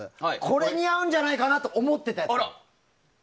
これ似合うんじゃないかと思ってたやつ。